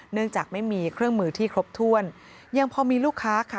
จากไม่มีเครื่องมือที่ครบถ้วนยังพอมีลูกค้าค่ะ